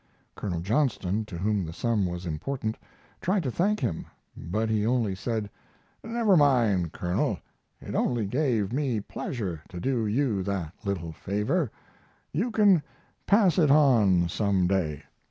Colonel Johnston, to whom the sum was important, tried to thank him, but he only said: "Never mind, Colonel, it only gave me pleasure to do you that little favor. You can pass it on some day."